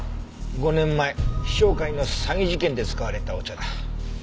５年前陽尚会の詐欺事件で使われたお茶だ。